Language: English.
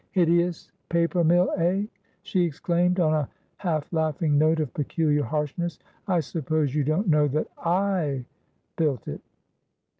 "Hideous paper mill, eh?" she exclaimed, on a half laughing note of peculiar harshness, "I suppose you don't know that I built it?"